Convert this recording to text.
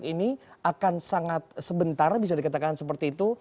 ini akan sangat sebentar bisa dikatakan seperti itu